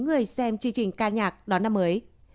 người xem chương trình ca nhạc đón năm mới